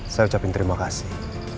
saya ucapin terima kasih